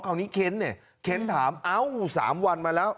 คราวนี้เข็นเนี่ยเข็นถามเอ้า๓วันมาแล้ว